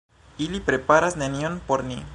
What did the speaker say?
Ili preparas nenion por ni!